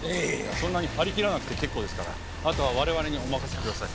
そんなに張り切らなくて結構ですからあとは我々にお任せください。